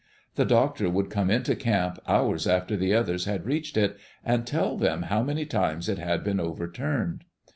The doctor would come into camp hours after the others had reached it, and tell them how many times it had been overturned.